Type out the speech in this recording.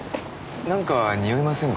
なんかにおいませんか？